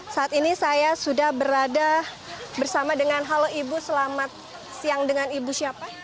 saat ini saya sudah berada bersama dengan halo ibu selamat siang dengan ibu siapa